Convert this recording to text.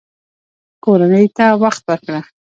کورنۍ ته وخت ورکړه